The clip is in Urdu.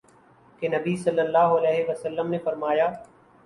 کہ نبی صلی اللہ علیہ وسلم نے فرمایا